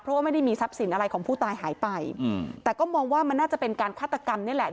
เพราะว่าไม่ได้มีทรัพย์สินอะไรของผู้ตายหายไปอืมแต่ก็มองว่ามันน่าจะเป็นการฆาตกรรมนี่แหละ